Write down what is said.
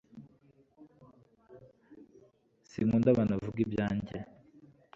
sinkunda abantu bavuga ibyanjye